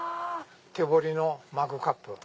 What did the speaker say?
手彫りのマグカップ。